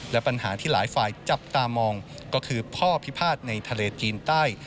และปัญหาที่หลายฝ่ายจับตามองก็คือพ่อพิพาทในทะเลจีนใต้